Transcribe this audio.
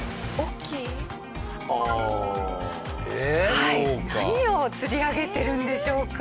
はい何を釣り上げてるんでしょうか？